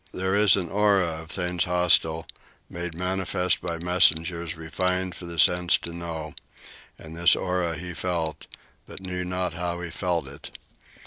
There is an aura of things hostile, made manifest by messengers too refined for the senses to know; and this aura he felt, but knew not how he felt it.